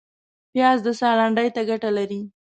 پیاز د ساه لنډۍ ته ګټه لري